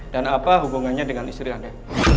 dan apa hubungannya dengan istri anda